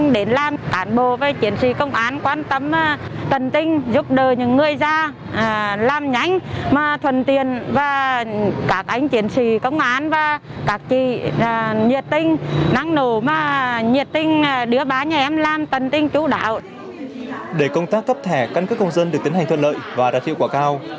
để công tác cấp thẻ căn cước công dân được tiến hành thuận lợi và đạt hiệu quả cao